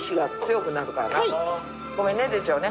ごめんね出ちゃうね。